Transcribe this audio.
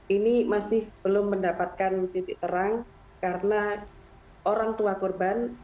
ini masih belum mendapatkan titik terang karena orang tua korban